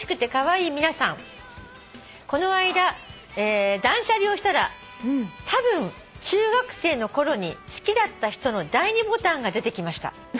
「この間断捨離をしたらたぶん中学生のころに好きだった人の第２ボタンが出てきました」